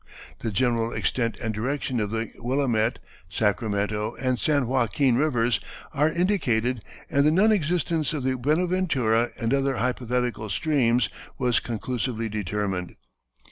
The general extent and direction of the Willamette, Sacramento, and San Joaquin Rivers are indicated, and the non existence of the Buenaventura and other hypothetical streams was conclusively determined.